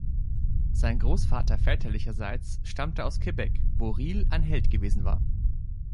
Sein Großvater väterlicherseits stammte aus Quebec, wo Riel ein Held gewesen war.